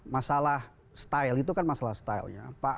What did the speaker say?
masalah style itu kan masalah stylenya